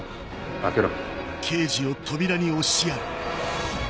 開けろ。